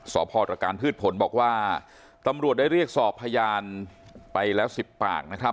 สพตรการพืชผลบอกว่าตำรวจได้เรียกสอบพยานไปแล้ว๑๐ปากนะครับ